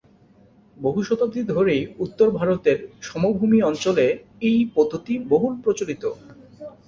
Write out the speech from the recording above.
বহু শতাব্দী ধরেই উত্তর ভারতের সমভূমি অঞ্চলে এই পদ্ধতি বহুল প্রচলিত।